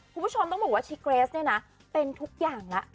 คุณผู้ชมต้องบอกว่าชิเกรสเนี่ยนะเป็นทุกอย่างแล้ว